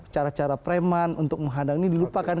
cara cara preman untuk menghadang ini dilupakan